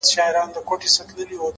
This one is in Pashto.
هر منزل د نوي سفر پیل وي’